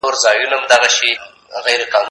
ايا ته چپنه پاکوې